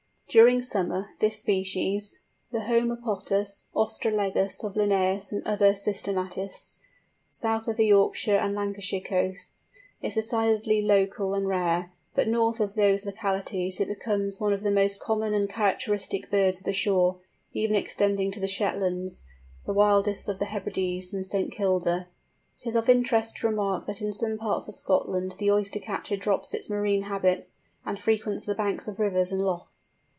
During summer, this species (the Hæmatopus ostralegus of Linnæus and other systematists) south of the Yorkshire and Lancashire coasts, is decidedly local and rare; but north of those localities it becomes one of the most common and characteristic birds of the shore, even extending to the Shetlands, the wildest of the Hebrides and St. Kilda. It is of interest to remark that in some parts of Scotland the Oyster catcher drops its marine habits, and frequents the banks of rivers and lochs.